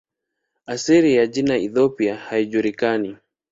Asili ya jina "Ethiopia" haijulikani.